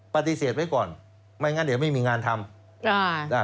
ปฏิเสธไว้ก่อนไม่งั้นเดี๋ยวไม่มีงานทำ